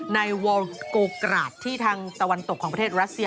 วอลโกกราศที่ทางตะวันตกของประเทศรัสเซีย